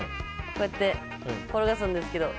こうやって転がすんですけど。